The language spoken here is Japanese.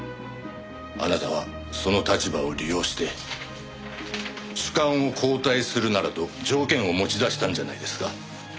あなたはその立場を利用して主幹を交代するならと条件を持ち出したんじゃないですか？